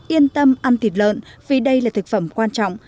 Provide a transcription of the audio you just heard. người dân yên tâm ăn thịt lợn vì đây là thực phẩm quan trọng